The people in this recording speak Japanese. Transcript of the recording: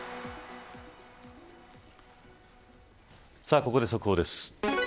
ここで速報です。